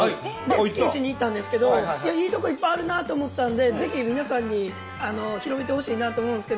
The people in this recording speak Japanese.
スキーしに行ったんですけどいいとこいっぱいあるなと思ったんでぜひ皆さんに広めてほしいなと思うんですけど。